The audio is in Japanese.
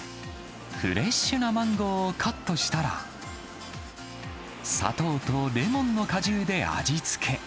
フレッシュなマンゴーをカットしたら、砂糖とレモンの果汁で味付け。